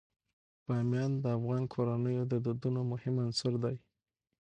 بامیان د افغان کورنیو د دودونو مهم عنصر دی.